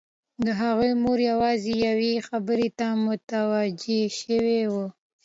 د هغه مور یوازې یوې خبرې ته متوجه شوې وه